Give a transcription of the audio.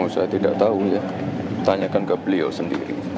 saya tidak tahu ya tanyakan ke beliau sendiri